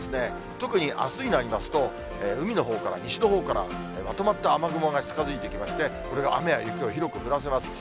特にあすになりますと、海のほうから、西のほうから、まとまった雨雲が近づいてきまして、これが雨や雪を広く降らせます。